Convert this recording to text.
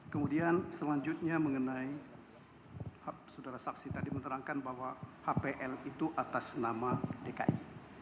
kemudian selanjutnya mengenai saudara saksi tadi menerangkan bahwa hpl itu atas nama dki